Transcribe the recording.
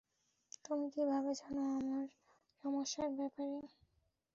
তুমি কিভাবে জানো আমার সমস্যার ব্যাপারে?